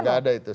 enggak ada itu